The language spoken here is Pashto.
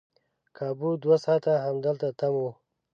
کابو دوه ساعته همدلته تم وو.